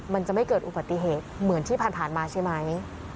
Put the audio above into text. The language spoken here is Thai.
มันจะไม่เกิดอุบัติเหตุเหมือนที่ผ่านมาใช่ไหม